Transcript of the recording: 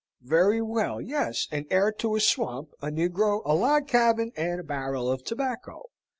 "Very well! Yes; and heir to a swamp, a negro, a log cabin and a barrel of tobacco!